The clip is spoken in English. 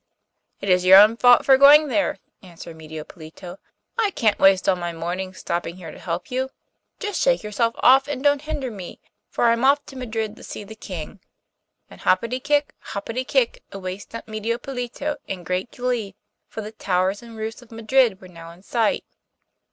'It is your own fault for going there,' answered Medio Pollito. 'I can't waste all my morning stopping here to help you. Just shake yourself off, and don't hinder me, for I am off to Madrid to see the King,' and hoppity kick, hoppity kick, away stumped Medio Pollito in great glee, for the towers and roofs of Madrid were now in sight.